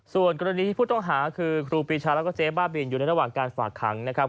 ส่วนกรณีที่ผู้ต้องหาคือครูปีชาแล้วก็เจ๊บ้าบินอยู่ในระหว่างการฝากขังนะครับ